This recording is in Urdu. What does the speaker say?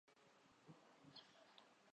اور ہم ہیں۔